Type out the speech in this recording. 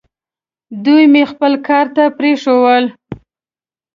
دوی مې خپل کار ته پرېښوول.